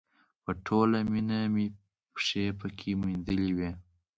په ټوله مینه مې پښې پکې مینځلې وې.